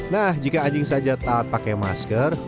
nah jika anjing saja taat pakai masker